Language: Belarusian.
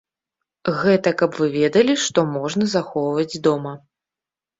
Гэта каб вы ведалі, што можна захоўваць дома.